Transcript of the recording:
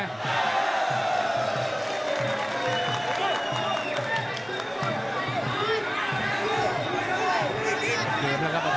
ห้องคู่หน้าร้อยนอกยังมีเข่าใน